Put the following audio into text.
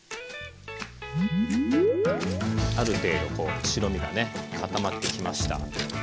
ある程度こう白身がね固まってきました。